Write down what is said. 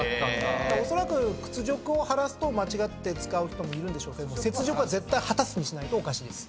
おそらく「屈辱を晴らす」と間違って使う人もいるんでしょうけども雪辱は絶対「果たす」にしないとおかしいです。